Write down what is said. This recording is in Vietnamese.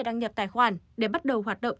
đăng nhập tài khoản để bắt đầu hoạt động